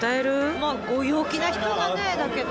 まあご陽気な人だねだけど。